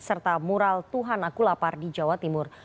serta mural tuhan aku lapar di jawa timur